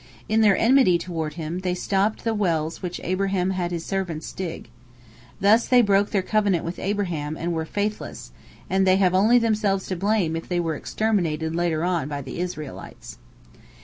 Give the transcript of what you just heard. In their enmity toward him, they stopped the wells which Abraham had had his servants dig. Thus they broke their covenant with Abraham and were faithless, and they have only themselves to blame if they were exterminated later on by the Israelites.